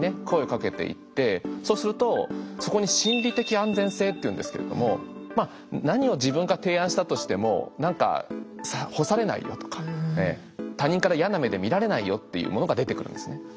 声をかけていってそうするとそこに「心理的安全性」っていうんですけれども何を自分が提案したとしてもなんか干されないよとか他人から嫌な目で見られないよっていうものが出てくるんですね。